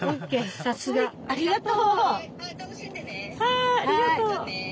さすが！ありがとう！